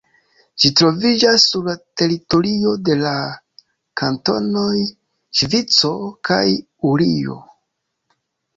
Ĝi troviĝas sur la teritorio de la kantonoj Ŝvico kaj Urio.